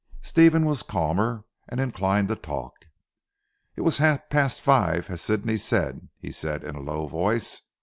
Stephen was calmer, and inclined to talk. "It was half past five as Sidney said," he said in a low voice.